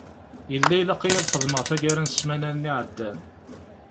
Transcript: Yella ilaq-iyi ad xedmeɣ tagara n ssmana-nni iεeddan.